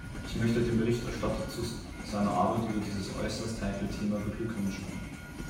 Ich möchte den Berichterstatter zu seiner Arbeit über dieses äußerst heikle Thema beglückwünschen.